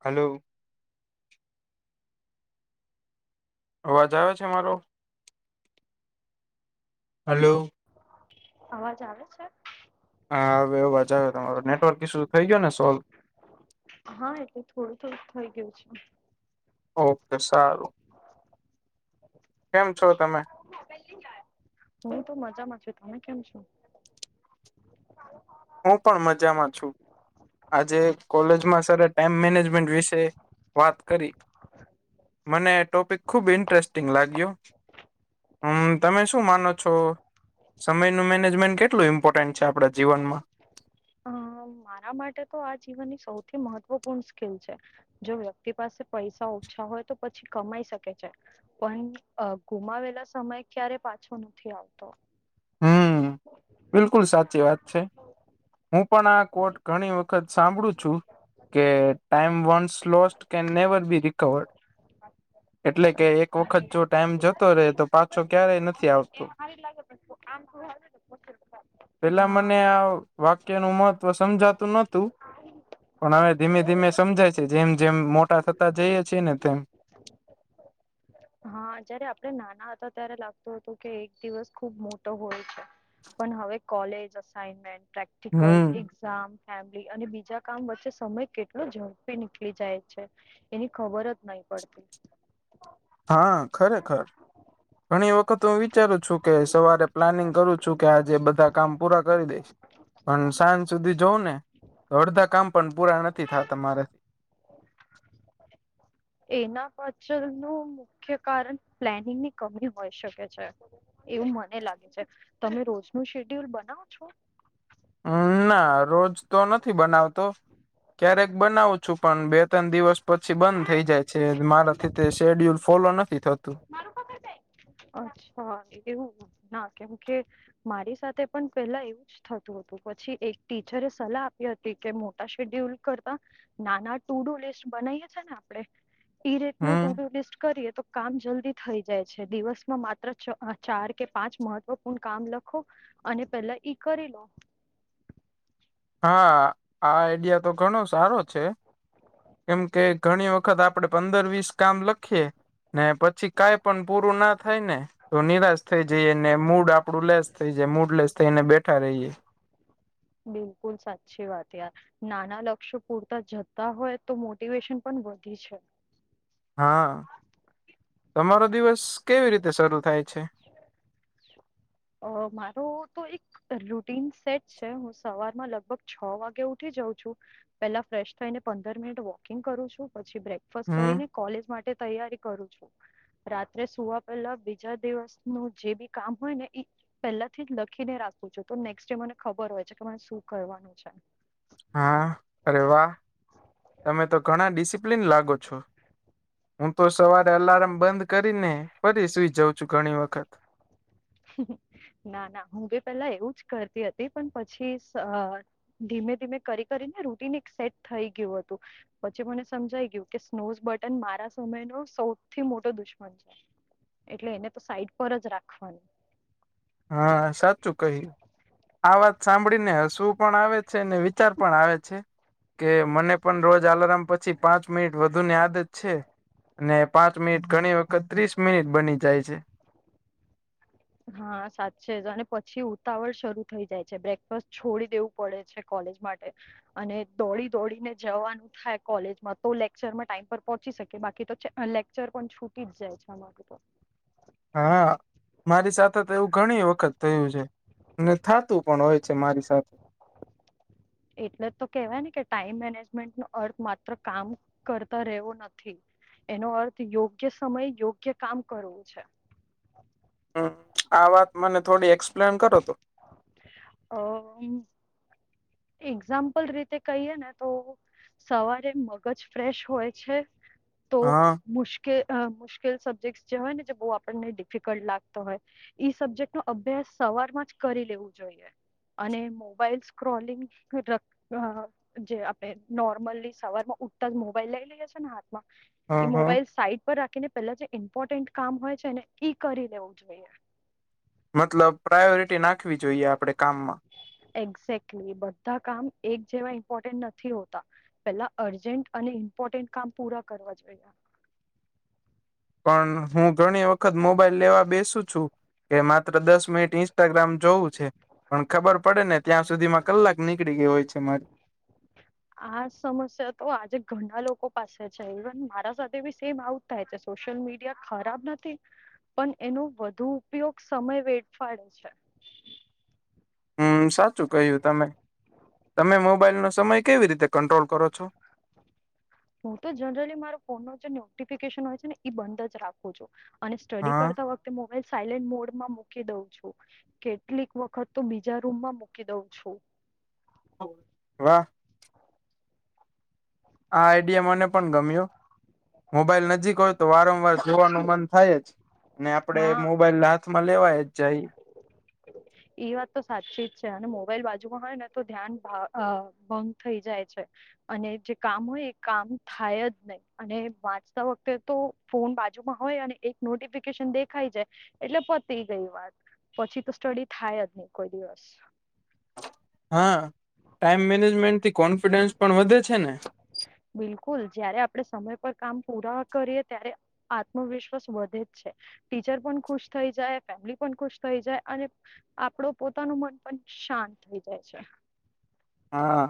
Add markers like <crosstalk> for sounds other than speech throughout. Hello. અવાજ આવે છે મારો. હલો. અવાજ આવે છે. હા હવે એવ વાજ આવે તમારો નેટવર્ક ઈ શું થઈ ગયો ને સોલ્વ. હા એટલે થોડું થોડું થઈ ગયું છે. ઓકે સારું. કેમ છો તમે. હ પહેલી ચાર. હું તો મજામાં છું તમે કેમ છો. હું પણ મજામાં છું. આજે કોલેજમાં સર ટાઈમ મેનેજમેન્ટ વિશે વાત કરી. મને ટોપિક ખુબ ઇન્ટરેસ્ટિંગ લાગ્યો. હમ તમે શું માનો છો. સમયનું મેનેજમેન્ટ કેટલું ઈમ્પોર્ટન્ટ છે આપણા જીવનમાં. અ મારા માટે તો આ જીવનની સૌથી મહત્વપૂર્ણ સ્કિલ છે. જો વ્યક્તિ પાસે પૈસા ઓછા હોય તો પછી કમાઈ શકે છે. પણ ગુમાવેલા સમય ક્યારે પાછો નથી આવતો. હમ. હ. બિલકુલ સાચી વાત છે હું પણ આ કોટ ઘણી વખત સાંભળું છું. કે ટાઈમ વસ લો કેન નેવર બી રિકવર્ડ. એટલે કે એક સાચું વખત જો ટાઈમ જતો રહેે તો પાછો ક્યારેય નથી આવતો. આમ <unintelligible> પેલા મને આ વાક્ય નું મહત્વ સમજાતું નતું પણ હવે ધીમે ધીમે સમજાય જેમ જેમ મોટા થતા જઈએ છેીએ ને તેમ હા જયારે આપડે નાના હતા ત્યારે લાગતું હતું કે એક દિવસ ખુબ મોટો હોય છે. પણ હવે કોલેજ અઇનમેન્ટ પ્રેક્ટિકલ. હમ ામ ફેમલી અને બીજા કામ વચ્ચે સમય કેટલો ઝડપી નીકળી જાય છે. એની ખબર જ નહી પડતી. હા ખરેખર ઘણી વખત હું વિચારું છું કે સવારે. પ્લાનિંગ કરું છું કે આજે બધા કામ પૂરા કરી દઈશ. પણ સાંજ સુધી જઉં ને અડધા કામ પણ પૂરા નથી થા તમારાથી. એના પાછલ ન મુખ્ય કારણ પ્લેનિંગની કમી હોય શકે છે. એવું મને લાગે છે તમે રોજ ન શેડ્યુલ બનાવો છો. હમ ના રોજ તો નથી બનાવતો. ક્યારેક બનાવું છું પણ બે ત્રણ દિવસ પછી બંધ થઇ જાય છે મારાથી તે શેડ્યુલ ફોલો નથી થતું. અચ્છા એવું ના કેમ કે મારી સાથે પણ પેલા એવું થતું હતું પછી એક ટીચરે સલાહ આપી હતી કે મોટા શેડ્યુલ કરતા નાના ટુ ડુ લિસ્ટ બનાવીએ છી ને આપણે ઈ રેતનું ટુ હમ ટુ લિસ્ટ કરીએ તો કામ જલ્દી થઈ જાય છે દિવસમાં મા ત્ર ચાર કે પાંચ મહત્વપૂર્ણ કામ લખો અને પેલા ઈ કરી લો. હા આ આઈડિયા તો ઘણો સારો છે. કેમ કે ઘણી વખત આપડે પંદર વીસ કામ લખીએ. ને પછી કાઈ પણ પૂરું ના થાય ને તો નિરાશ થઇ જઈએને મૂડ આપડું લેસ થઈ જાય મૂડ લેસ થઈને બેઠા રહીએ. બિલકુલ સાચી વાત યાર. નાના લક્ષ્યો પૂરતા જતા હોય તો મોટિવેશન પણ વધી છે. હા તમારો દિવસ કેવી રીતે શરૂ થાય છે. અ મારો તો એક રૂટીન સેટ છે હું સવારમાં લગભગ છ વાગે ઉઠી જાઉ છું. પેલા ફ્રેશ થઈને પંદર મિનિટ વોકિંગ કરું છું પછી બ્રેકફાસ હમ કરીને કોલેજ માટે તૈયારી કરું છું. રાત્રે સુવા પેલા બીજા દિવસનું જે બી કામ હોય ને એ પેલા થી જ લખીને રાખું છું તો નેક્સ્ટ ડે મને ખબર હોય છે કે મને શું કરવાનું છે હા અરે વાહ તમે તો ઘણા ડિસિપ્લિન લાગો છો. હું તો સવારે અલાર્મ બંધ કરીને ફરી સુઈ જાઉં છું ઘણી વખત ના ના હું ભી પેલા એવું જ કરતી હતી પણ પછી ધીમે ધીમે કરી કરીને રૂટીન એક સેટ થઈ ગયું હતું. પછી મને સમજાઈ ગયું કે સ્નોઝ બટન મારા સમય ન સૌથી મોટો દુશ્મન છે. એટલે એને તો સાઈડ પર જ રાખશું. હા સાચૂ કહ્યું આ વાત સાંભળીને શું પણ આવે છે અને વિચાર પણ આવે છે. કે મને પણ રોજ આલાર્મ પછી પાંચ મિનિટ વધુને યાદ જ છે. અને પાંચ મિનિટ ઘણી વખત ત્રીસ મિનિટ બની જાય છે. હા સાચે જ અને પછી ઉતાવળ શરૂ થઈ જાય છે બ્રેકફાસ્ટ છોડી દેવું પડે છે કોલેજ માટે અને દોડી દોડીને જવાનું થાય કોલેજમાં તો લેક્ચરમાં ટાઈમ પર પહોંચી શકે બાકી તો લેક્ચર પણ છૂટી જ જાય છે એમાંથી હા મારી સાથે તો એવું ઘણી વખત થયું છે. ને થતું પણ હોય છે મારી સાથે એટલે જ તો કેવાય ને કે ટાઈમ મેનેજમેન્ટ નો અર્થ માત્ર કામ કરતા રહેવો નથી એનો અર્થ યોગ્ય સમય યોગ્ય કામ કરવું છે. હમ આ વાત મને થોડી એક્સપ્લેન કરો તો અ એક્ઝામ્પલ રીતે કહીયએ ને તો સવારે મગજ ફ્રેશ હોય છે તો હા મુશ્કેલ કે મુશ્કેલ સબ્જેક્ટ જે હોય ને જે બો આપણને ડિફિકલ્ટ લાગતો હોય ઈ સબ્જેક્ટ નો અભ્યાસ સવારમાં જ કરી લેવું જોઈએ અને મોબાઈલ સ્ક્રોલિંગ <inaudible> અ જે આપડણે નોર્મલી સવાર માં ઉઠતા જ મોબાઈલ લઈ લઈ જશે ને હાથમાં હ એ હ મોબાઈલ સાઈટ પર રાખીને પેલા જે ઇમ્પોર્ટન્ટ કામ હોય છે એને ઈ કરીને ઉજવેએ મતલબ પ્રાયોરિટી નાખવી જોઈએ આપડણે કામમાં એક્ઝેકલી બધા કામ એક જેવા ઇમ્પોર્ટન્ટ નથી હોતા પેલા અર્જન્ટ અને ઇમ્પોર્ટન્ટ કામ પૂરા કરવા જોઈએ પણ હું ઘણી વખત મોબાઈલ લેવા બેસું છું કે માત્ર દસ મિનિટ ઇન્સ્ટાગ્રામ જોવું છે પણ ખબર પડે ને ત્યાં સુધી માં કલાક નીકળી ગય હોય છે મારી આ સમસ્યા તો આજે ઘણા લોકો પાસે છે ઇવન મારા સાથે બી સેમ આવુ સોશિયલ મીડિયા ખરાબ નથી પણ એનો વધુ ઉપયોગ સમય વેડફાડે છે હમ સાચું કહ્યું તમે તમે મોબાઈલનો સમય કેવી રીતે કંટ્રોલ કરો છો હું તો જનરલી મારો ફોન ન જે નોટિફિકેશન હોય છે ને બંધ જ રાખું છો અને સ્ટડી હા કરતા વખતે મોબાઈલ સાયલેન્ટ મોડમાં મૂકી દઉં છું કેટલીક વખત તો બીજા રૂમમાં મૂકી દઉં છું વાહ આ આઈડીએમને પણ ગમ્યું મોબાઈલ નજીક હોય તો વારંવાર જોવાનું મન થાય જ અને આપડે હા મોબાઈલ હાથમાં લેવાય જ જાય એ વાત તો સાચી જ છે અને મોબાઈલ બાજુમાં હોય ને તો ધ્યાન ભંગ થઈ જાય છે અને જે કામ હોય એ કામ થાય જ નહી અને વાંચતા વખતે તો ફોન બાજુમાં હોય અને એક નોટિફિકેશન દેખાય જાય એટલે પતી ગઈ વાત પછી તો સ્ટડી થાય જ નહી કોઈ દિવસ હા ટાઈમ મેનેજમેન્ટ થી કોન્ફિડન્સ પણ વધે છે ને બિલકુલ જયારે આપડે સમય પર કામ પૂરા કરીએ ત્યારે આત્મવિશ્વાસ વધે જ છે ટીચર પણ ખુશ થઈ જાય ફેમિલી પણ ખુશ થઈ જાય અને આપડો પોતાનું મન પણ શાંત થઈ જાય છે હા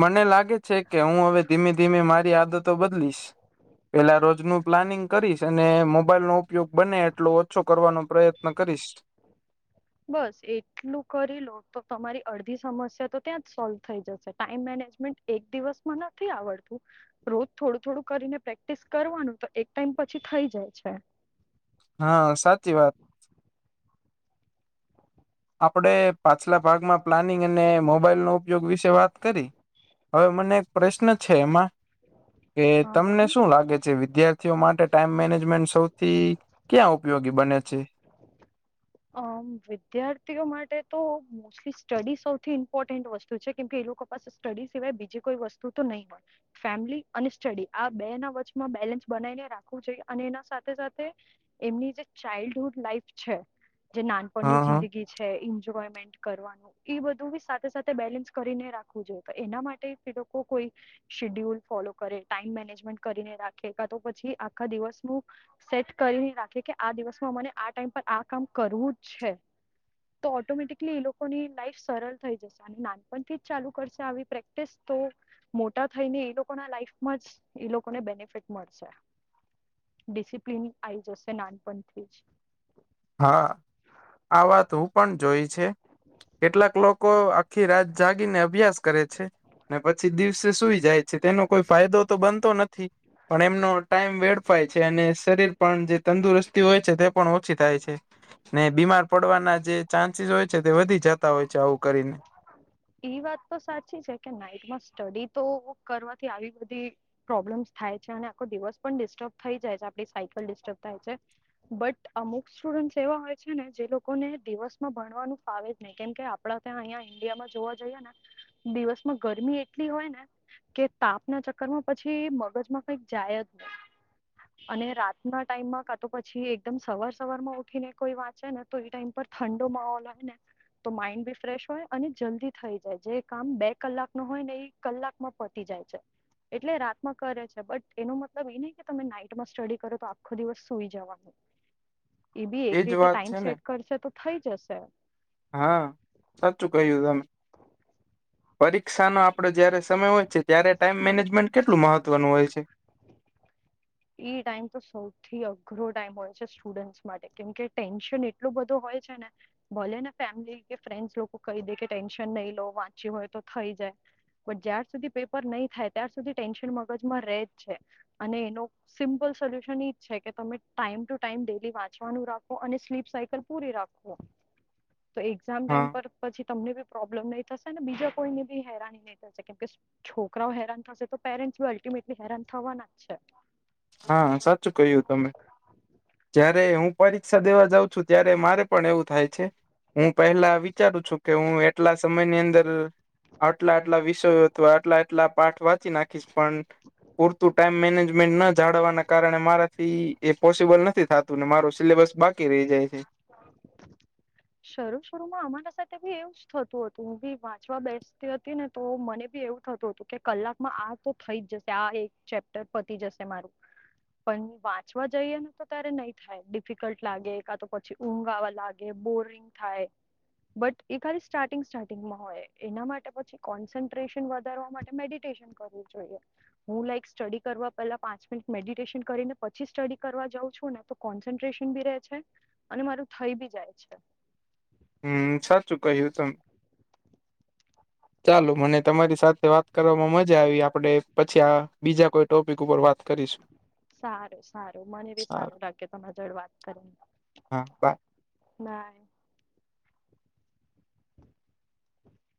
મને લાગે છે કે હું હવે ધીમે ધીમે મારી આદતો બદલીશ પેલા રોજ નું પ્લાનિંગ કરીશ અને મોબાઈલ નો ઉપયોગ બને એટલો ઓછો કરવાનો પ્રયત્ન કરીશ બસ એટલું કરી લો તો તમારી અડધી સમસ્યા તો ત્યાં જ સોલ્વ થઈ જશે ટાઈમ મેનેજમેન્ટ એક દિવસમાં નથી આવડતું રોજ થોડું થોડું કરીને પ્રેક્ટિસ કરવાનું તો એક ટાઈમ પછી થઈ જાય છે હા સાચી વાત આપડે પાછલા ભાગમાં પ્લાનિંગ અને મોબાઈલ નો ઉપયોગ વિશે વાત કરી હવે મને એક પ્રશ્ન છે એમાં કે હા તમને બોલો શું લાગે છે વિદ્યાર્થીઓ માટે ટાઈમ મેનેજમેન્ટ સૌથી ક્યાં ઉપયોગી બને છે આ વિદ્યાર્થીઓ માટે તો સ્ટડી સૌથી ઇમ્પોર્ટન્ટ વસ્તુ છે કેમ કે એ લોકો પાસે સ્ટડી સિવાય બીજી કોઈ વસ્તુ તો નહીં હોય ફેમિલી અને સ્ટડી આ બે ના વચમાં બેલેન્સ બનાવીને રાખવું જોઈએ અને એના સાથે સાથે એમની જે ચાઇલ્ડહુડ લાાઈફ છે જે હ નાનપણની હ જિંદગી છે એન્જોયમેન્ટ કરવાનું એ બધું બી સાથે સાથે બેલેન્સ કરીને રાખવું જોઈએ તો એના માટે એ લોકો કોઈ શેડ્યુલ ફોલો કરે ટાઈમ મેનેજમેન્ટ કરીને રાખે કા તો પછી આખા દિવસનું સેટ કરી નાખે કે આ દિવસમાં મને આ ટાઈમ પર આ કામ કરવું જ છે. તો ઓટોમેટિકલી એ લોકોની લાઈફ સરળ થઈ જશે અને નાનપણથી જ ચાલુ કરશે આવી પ્રેક્ટીસ તો મોટા થઈને એ લોકોના લાઈફમાં જ એ લોકોને બેનિફિટ મળશે ડિસિપ્લિન આવી જશે નાનપણથી જ હા આ વાત હું પણ જોઈ છે કેટલાક લોકો લોકો આખી રાત જાગીને અભ્યાસ કરે છે ને પછી દિવસે સુઈ જાય છે તેનો કોઈ ફાયદો તો બનતો નથી. પણ એમનો ટાઈમ વેડફાય છે અને શરીર પણ જે તંદુરસ્તી હોય છે તે પણ ઓછી થાય છે. ને બીમાર પડવાના જે ચાન્સીસ હોય છે તે વધી જતા હોય છે આવું કરીને. ઈ વાત તો સાચી છે કે નાઈટ માં સ્ટડી તો કરવાથી આવી બધી પ્રોબ્લેમ્સ થાય છે અને આખો દિવસ પણ ડિસ્ટર્બ થઈ જાય છે આપ સાયકલ ડિસ્ટર્બ થાય છે. બટ અમુક સ્ટુડન્ટસ એવા હોય છે ને જે લોકોને દિવસમાં ભણવાનું ફાવે જ નહી કેમકે આપડા ત્યાં અહં ઈન્ડિયામાં જોવા જઈએ ને દિવસમાં ગરમી એટલી હોય ને. કે તાપના ચક્કર માં પછી મગજમાં કઈક જાય જ નહી. અને રાતના ટાઈમમાં કા તો પછી એકદમ સવાર સવાર માં ઉઠીને કોઈ વાંચે ને તો એ ટાઈમ પર ઠંડો માહોલ હોય ને તો માઇન્ડ બી ફ્રેશ હોય અને જલ્દી થઈ જાય જે કામ બે કલાક ન હોય ને એ કલાકમાં પતી જાય છે. એટલે રાતમાં કરે છે બટ એનો મતલબ એ નહ કે તમે નાઈટમાં સ્ટડી કરો તો આખો દિવસ સુઈ જવાનું <unintelligible> એ બી એક એજ રીતે વાત ટાઈમ છે ને સેટ કરશે તો થઈ જશે. હા સાચું કહ્યું તમે. પરીક્ષાનો આપડો જયારે સમય હોય છે ત્યારે ટાઈમ મેનેજમેન્ટ કેટલું મહત્વનું હોય છે. <unintelligible> એ ટાઈમ તો સૌથી અઘરો ટાઈમ હોય છે સ્ટુડન્ટસ માટે કેમકે ટેન્શન એ એટલું બધું હોય છે ને ભોલેને ફેમિલી કે ફ્રેન્ડસ લોકો કહી દે કે ટેન્શન નહી લો વાંચી હોય તો થઈ જાય. પણ જ્યાર સુધી પેપર નહીં થાય ત્યાર સુધી ટેન્શન મગજમાં ર જ છે અને એનો સિમ્પલ સોલ્યુશન ઈજ છે કે તમે ટાઈમ ટુ ટાઈમ ડેલી વાંચવાનું રાખો અને સ્લીપ સાયકલ પૂરી રાખો. તો એક્ઝામ ટાઈમ હા પર પછી તમને બી પ્રોબ્લેમ નહી થશે ને બીજા કોઈ ને ભી હૈરાની ન‌ઈ કેમ છે છોકરાઓ હેરાન થશે તો પેરેન્ટી અલ્ટિમેટલી હેરાન થવાના જ છે. હા સાચું કહ્યું તમે જયારે હું પરીક્ષા દેવા જઉં છું ત્યારે મારે પણ એવું થાય છે હું પહેલા વિચારું છું કે હું એટલા સમયની અંદર આટલા આટલા વિષયો અથવા આટલા આટલા પાઠ વાંચી નાખીશ પણ પૂરતું ટાઈમ મેનેજમેન્ટ ન જાડવાના કારણે મારાથી એ પોસિબલ નથી થતું ને માર સિલેબસ બાકી રહી જાય છે. <unintelligible> શરૂ શરૂમાં અમારા સાથે બી એવું જ થતું હતું હું બી વાંચવા બેસતી હતી ને તો મને બી એવું થતું તું. કે કલાકમાં આ તો થઈ જ જશે આ એક ચેપ્ટર પતી જશે મારું. પણ વાંચવા જઈએ ને તો ત્યારે નહી થાય ડિફિકલ્ટ લાગે કા તો પછી ઊંઘ આવા લાગે બોરિંગ થાય. બટ એ ખાલી સ્ટાર્ટિંગ સ્ટાર્ટિંગમાં હોય એના માટે પછી કોન્સન્ટ્રેશન વધારવા માટે મેડિટેશન કરું જોઈએ હું લાઈક સ્ટડી કરવા પેલા પાંચ મિનિટ મેડિટેશન કરીને પછી સ્ટડી કરવા જાઉં છું ને તો કોન્સન્ટ્રેશન બી રહે છે અને મારું થઈ બી જાય છે. હમ સાચું કહ્યું તમ ચાલો મને તમારી સાથે વાત કરવામાં મજા આવી આપણે પછી આ બીજા કોઈ ટોપિક ઉપર વાત કરીશું. સારું સારું, મને બી સારું લાગે તમારા જોળ વાત હા બાય. નાઈ.